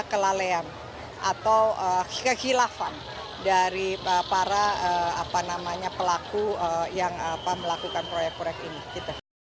kelalean atau kehilafan dari para pelaku yang melakukan proyek proyek ini gitu